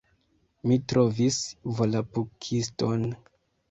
Mi trovis Volapukiston!